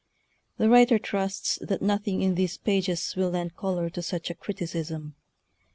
The writer trusts that nothing in these pages will lend color to such a criticism.